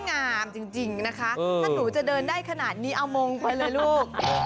งามจริงนะคะถ้าหนูจะเดินได้ขนาดนี้เอามงไปเลยลูก